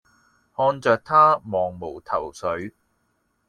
看著她茫無頭緒